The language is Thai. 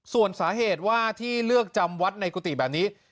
ส่วนสาเหตุว่าที่เลือกจำวัดในกุฏิแบบนี้